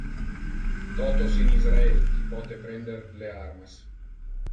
Totos in Israel qui pote prender le armas.